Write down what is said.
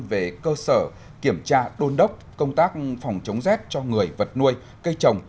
về cơ sở kiểm tra đôn đốc công tác phòng chống rét cho người vật nuôi cây trồng